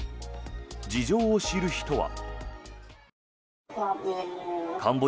事情を知る人は。